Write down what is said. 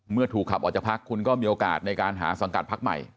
เมื่อถูกขับออกจากพักคุณก็มีโอกาสในการหาสังกัดพักใหม่